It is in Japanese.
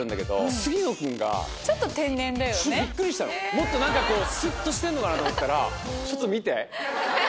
もっとなんかこうスッとしてんのかなと思ったらちょっと見て。